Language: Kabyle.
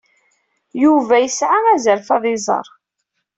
Yuba yesɛa azref ad iẓer.